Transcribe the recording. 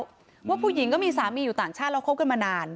เพราะว่าผู้หญิงก็มีสามีอยู่ต่างชาติแล้วคบกันมานาน